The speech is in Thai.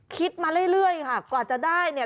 มาเรื่อยค่ะกว่าจะได้เนี่ย